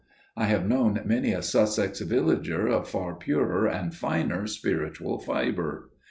I have known many a Sussex villager of far purer and finer spiritual fibre.